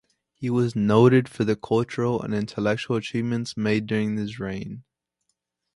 He was noted for the cultural and intellectual achievements made during his reign.